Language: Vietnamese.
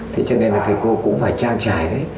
thế cho nên là thầy cô cũng phải trang trải đấy